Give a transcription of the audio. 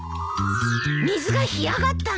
水が干上がったんだ。